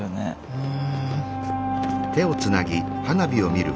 うん。